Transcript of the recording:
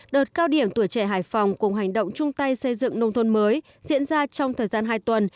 đợt cao điểm tuổi trẻ hải phòng cùng hành động chung tay xây dựng nông thôn mới diễn ra trong thời gian hai tuần